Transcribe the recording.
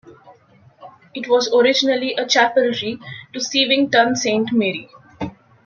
It was originally a chapelry to Seavington Saint Mary.